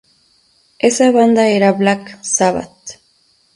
Esa banda era Black Sabbath.